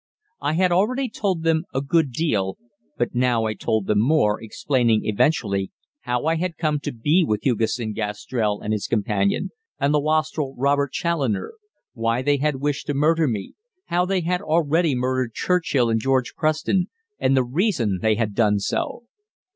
I had already told them a good deal, but now I told them more, explaining, eventually, how I had come to be with Hugesson Gastrell and his companion, and the wastrel, Robert Challoner; why they had wished to murder me; how they had already murdered Churchill and George Preston, and the reason they had done so.